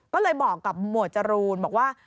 ก็เลยบอกกับหมวดจรูนบอกว่า